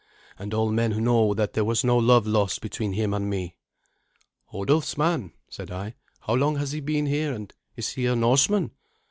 And all men know that there was no love lost between him and me." "Hodulf's man," said I; "how long has he been here, and is he a Norseman?"